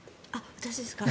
私ですか。